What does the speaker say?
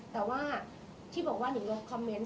แต่ว่าที่บอกว่านิงคอมเมนต์